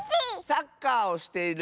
サッカーをしている。